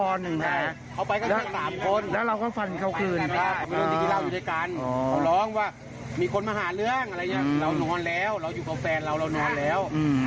เรานอนแล้วเราอยู่กับแฟนเราเรานอนแล้ว